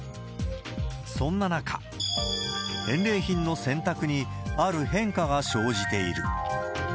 そんな中、返礼品の選択に、ある変化が生じている。